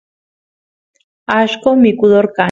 allqo mikudor kan